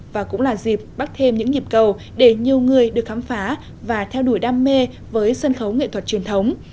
và cũng là dịp bắt thêm những nhịp cầu để nhiều người được khám phá và theo đuổi đam mê với sân khấu nghệ thuật truyền thống